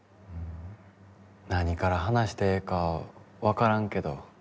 何から話してええか分からんけど。